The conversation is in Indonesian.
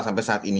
sampai saat ini